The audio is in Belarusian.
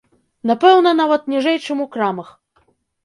Напэўна, нават ніжэй, чым у крамах.